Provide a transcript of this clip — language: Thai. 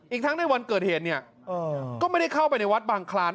ทั้งในวันเกิดเหตุเนี่ยก็ไม่ได้เข้าไปในวัดบางคลาน